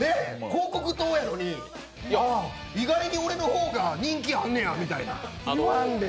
広告塔やのに、意外に俺の方が人気あんねや！みたいな。